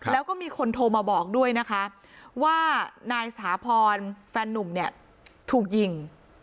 แล้วก็มีคนโทรมาบอกด้วยนะคะว่านายสถาพรแฟนนุ่มเนี่ยถูกยิง